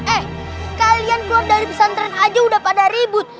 eh kalian keluar dari pesantren aja udah pada ribut